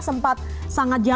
sempat sangat jelas